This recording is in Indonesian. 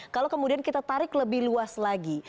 kalau kemudian kita tarik lebih luas lagi